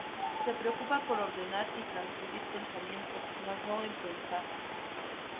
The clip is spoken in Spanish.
Se preocupa por ordenar y transcribir pensamientos más no en pensar.